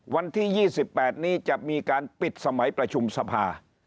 วันที่๒๘นี้จะมีการปิดสมัยประชุมสภา